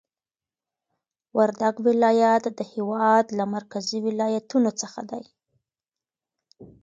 وردګ ولایت د هېواد له مرکزي ولایتونو څخه دی